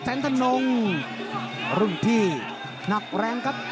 ตามต่อยกที่๓ครับ